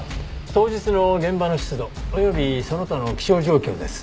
当日の現場の湿度およびその他の気象状況です。